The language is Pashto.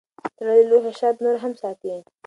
تړلی لوښی شات نور هم ساتي.